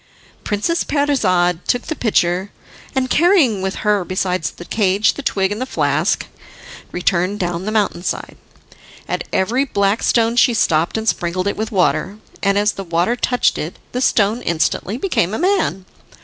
Princess Parizade took the pitcher, and, carrying with her besides the cage the twig and the flask, returned down the mountain side. At every black stone she stopped and sprinkled it with water, and as the water touched it the stone instantly became a man.